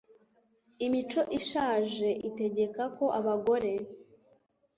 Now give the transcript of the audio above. imico ishaje itegeka ko abagore